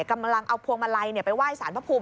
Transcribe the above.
กำลังเอาพวงมาลัยไปไหว้สารพระภูมิ